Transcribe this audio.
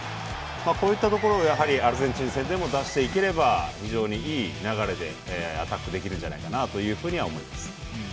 こういったところをやはりアルゼンチン戦でも出していければ非常にいい流れでアタックできるんじゃないかと思います。